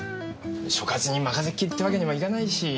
所轄に任せっきりってわけにもいかないし。